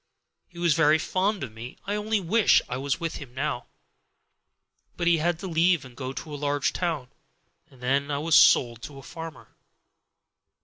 He was very fond of me. I only wish I was with him now; but he had to leave and go to a large town, and then I was sold to a farmer.